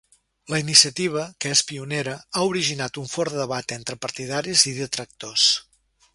La iniciativa, que és pionera, ha originat un fort debat entre partidaris i detractors.